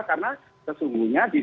karena sesungguhnya dibuat